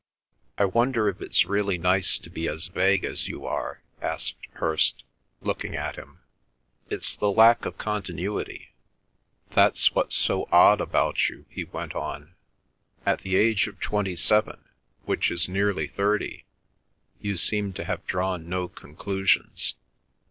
"I wonder if it's really nice to be as vague as you are?" asked Hirst, looking at him. "It's the lack of continuity—that's what's so odd about you," he went on. "At the age of twenty seven, which is nearly thirty, you seem to have drawn no conclusions.